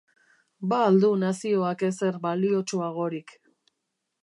Ba al du nazioak ezer baliotsuagorik?